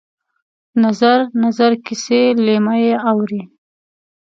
نظر، نظر کسي لېمه یې اورې